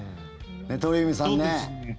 鳥海さんね。